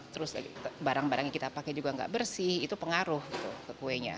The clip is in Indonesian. terus barang barang yang kita pakai juga nggak bersih itu pengaruh ke kuenya